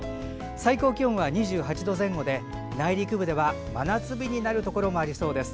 最高気温は２８度前後で内陸部では真夏日になるところもありそうです。